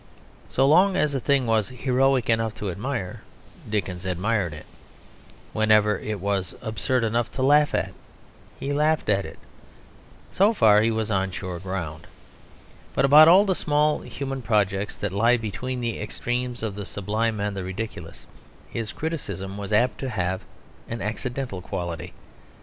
So long as a thing was heroic enough to admire, Dickens admired it; whenever it was absurd enough to laugh at he laughed at it: so far he was on sure ground. But about all the small human projects that lie between the extremes of the sublime and the ridiculous, his criticism was apt to have an accidental quality.